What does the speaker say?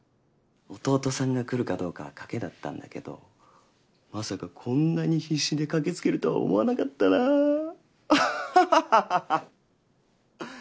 弟さんが来るかどうかは賭けだったんだけどまさかこんなに必死で駆けつけるとは思わなかったなあ。